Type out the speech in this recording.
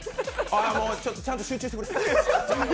あ、もうちゃんと集中してくれ。